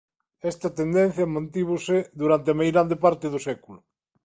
Esta tendencia mantívose durante a meirande parte do século.